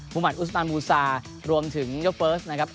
ภูมิธอุตสนามูศารวมถึงยกเฟิร์สนะครับ